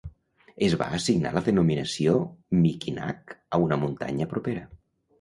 Es va assignar la denominació Mikinak a una muntanya propera.